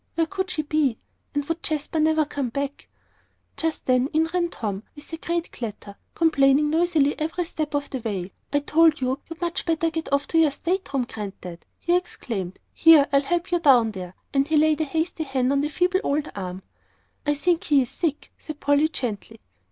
Where could she be? And would Jasper never come back? And just then in ran Tom with a great clatter, complaining noisily every step of the way. "I told you you'd much better get off to your stateroom, Granddad!" he exclaimed. "Here, I'll help you down there." And he laid a hasty hand on the feeble old arm. "I think he is sick," said Polly, gently.